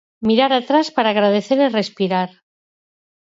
Mirar atrás para agradecer e respirar.